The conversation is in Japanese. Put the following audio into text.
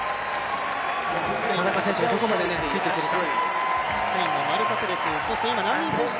田中選手がどこまでついて行けるか。